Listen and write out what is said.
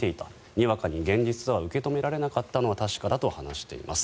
にわかに現実とは受け止められなかったのは確かだと話しています。